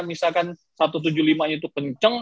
misalkan satu tujuh puluh lima itu penceng